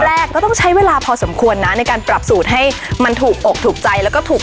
แล้วมากสุดไหนครับ